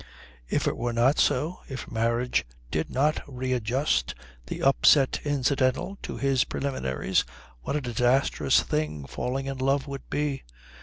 If it were not so, if marriage did not readjust the upset incidental to its preliminaries, what a disastrous thing falling in love would be.